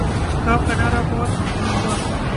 کام کا نعرہ بہت مقبول ہوا